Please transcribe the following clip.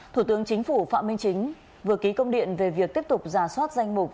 thủ tướng chính phủ phạm minh chính vừa ký công điện về việc tiếp tục giả soát danh mục